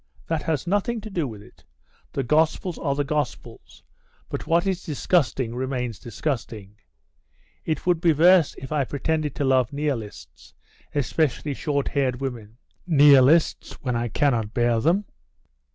"That has nothing to do with it. The Gospels are the Gospels, but what is disgusting remains disgusting. It would be worse if I pretended to love Nihilists, especially short haired women Nihilists, when I cannot bear them."